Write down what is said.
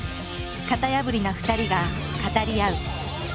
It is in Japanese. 型破りな２人が語り合う。